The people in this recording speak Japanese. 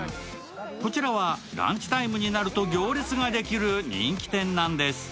こちらはランチタイムになると行列ができる人気店なんです。